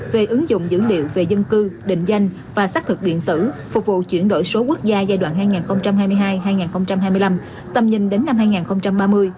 về ứng dụng dữ liệu về dân cư định danh và xác thực điện tử phục vụ chuyển đổi số quốc gia giai đoạn hai nghìn hai mươi hai hai nghìn hai mươi năm tầm nhìn đến năm hai nghìn ba mươi